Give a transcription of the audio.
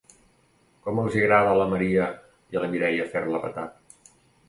Com els hi agrada a la Maria i la Mireia fer-la petar.